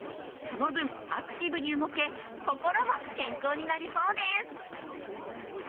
その分、アクティブに動け心も健康になりそうです。